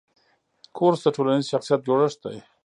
کورس د ټولنیز شخصیت جوړښت دی.